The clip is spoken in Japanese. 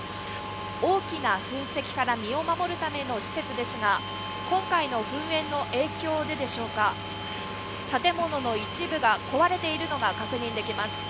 大きな噴石から身を守るための施設ですが今回の噴煙の影響ででしょうか、建物の一部が壊れているのが確認できます。